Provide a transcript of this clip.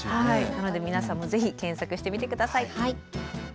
なので皆さんもぜひ検索してみて下さい。